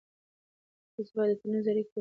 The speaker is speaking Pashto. تاسې باید د ټولنیزو اړیکو پر بنسټ نوښت وکړئ.